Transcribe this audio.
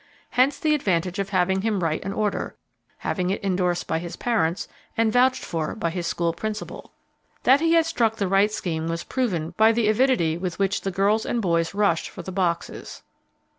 Hence the advantage in having him write an order, have it indorsed by his parents, and vouched for by his school principal. That he had struck the right scheme was proven by the avidity with which the girls and boys rushed for the boxes.